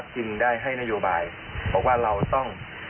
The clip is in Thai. จึงได้ให้นโยบายบอกว่าเราต้อง